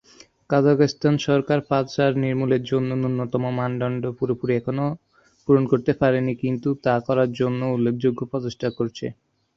কাজাখস্তান সরকার পাচার নির্মূলের জন্য ন্যূনতম মানদণ্ড পুরোপুরি এখনো পূরণ করতে পারেনি কিন্তু তা করার জন্য উল্লেখযোগ্য প্রচেষ্টা করছে।